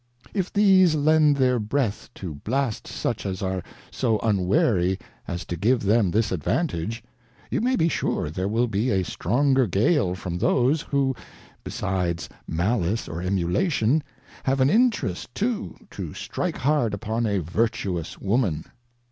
If these lend their Breath to blast such as are so unwary as to give them this Advantage, you may be sure there will be a stronger Gale from those, who, besides Malice or Emulation, have an Interest too, to strike hard upon a Vertuous Woman.